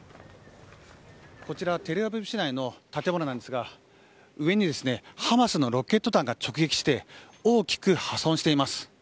こちら、テルアビブ市内の建物なんですが、上にですね、ハマスのロケット弾が直撃して、大きく破損しています。